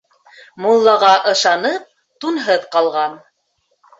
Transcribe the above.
Муллаға ышанып, тунһыҙ ҡалған.